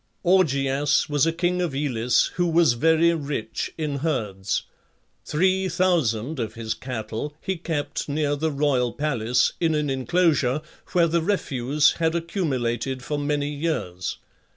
Augeas was a king of Elis who was very rich in herds. Three thousand of his cattle he kept near the royal palace in an inclosure where the refuse had accumulated for many years.